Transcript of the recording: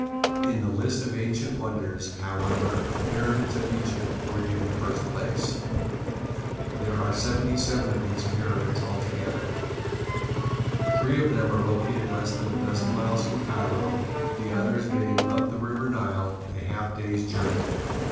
In the list of ancient wonders, however, the Pyramids of Egypt were given first place. There are seventy seven of these pyramids altogether. Three of them are located less than a dozen miles from Cairo, the others being up the river Nile a half day's journey.